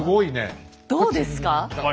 どうですか？